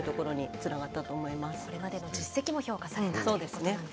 そうですね